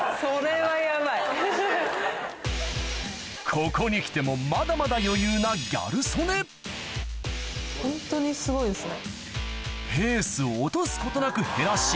ここに来てもまだまだ余裕なギャル曽根ホントにすごいですね。